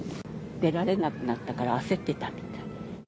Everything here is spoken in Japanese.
出られなくなったから、焦ってたみたい。